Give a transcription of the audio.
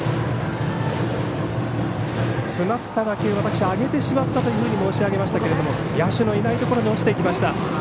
詰まった打球を上げてしまったと申し上げましたけれども野手のいないところに落ちていきました。